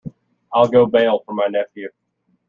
I’ll go bail for my nephew.